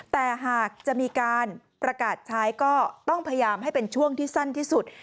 แต่หากจะมีการประกาศใช้ก็ต้องพยายามให้เป็นช่วงที่สั้นที่สุด